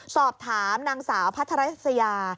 สอบถามนางสาวพระธรัชญา